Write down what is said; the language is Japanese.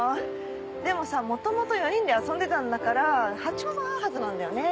でもさ元々４人で遊んでたんだから波長は合うはずなんだよね。